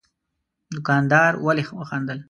دوکاندار ولي وخندل؟